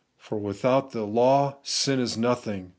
' For without law, sin is nothing.